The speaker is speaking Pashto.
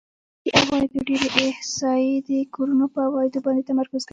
د عوایدو ډېری احصایې د کورونو په عوایدو باندې تمرکز کوي